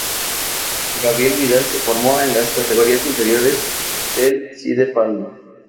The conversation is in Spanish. Gabriel Vidal se formó en las categorías inferiores del Cide Palma.